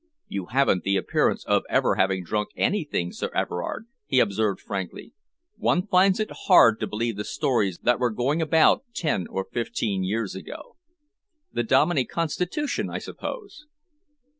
"You haven't the appearance of ever having drunk anything, Sir Everard," he observed frankly. "One finds it hard to believe the stories that were going about ten or fifteen years ago." "The Dominey constitution, I suppose!"